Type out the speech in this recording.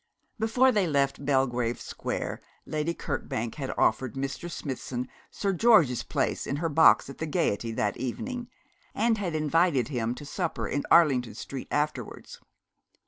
Before they left Belgrave Square Lady Kirkbank had offered Mr. Smithson Sir George's place in her box at the Gaiety that evening, and had invited him to supper in Arlington Street afterwards.